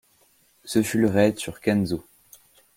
Ce fut le raid sur Canseau.